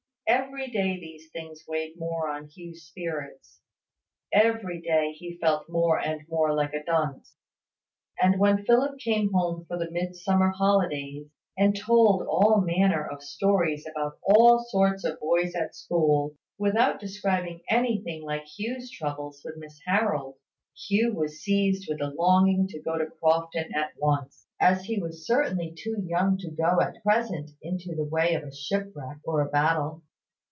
Every day these things weighed more on Hugh's spirits; every day he felt more and more like a dunce; and when Philip came home for the Midsummer holidays, and told all manner of stories about all sorts of boys at school, without describing anything like Hugh's troubles with Miss Harold, Hugh was seized with a longing to go to Crofton at once, as he was certainly too young to go at present into the way of a shipwreck or a battle.